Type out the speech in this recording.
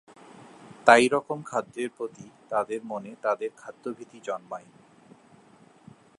তাই রকম খাদ্যের প্রতি তাদের মনে তাদের খাদ্য ভীতি জন্মায়।